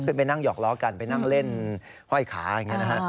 ไปนั่งหยอกล้อกันไปนั่งเล่นห้อยขาอย่างนี้นะฮะ